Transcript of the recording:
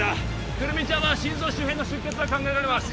胡桃ちゃんは心臓周辺の出血が考えられます